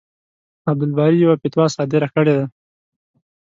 عبدالباري يوه فتوا صادره کړې ده.